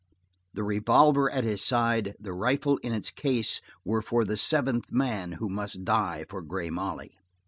The revolver at his side, the rifle in the case, were for the seventh man who must die for Grey Molly.